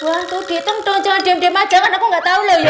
one two ditem jangan diem diem aja kan aku gak tau lo ya